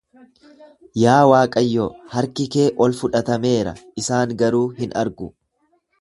Yaa Waaqayyo, harki kee ol fudhatameera, isaan garuu hin argu.